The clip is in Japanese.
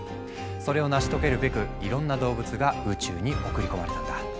それを成し遂げるべくいろんな動物が宇宙に送り込まれたんだ。